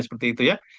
seperti itu ya